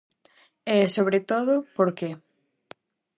E, sobre todo, por que.